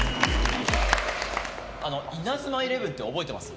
あの、「イナズマイレブン」って覚えてます？